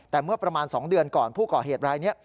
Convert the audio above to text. แต่เมื่อประมาณ๒เดือนก่อนผู้ก่อเหตุรายนี้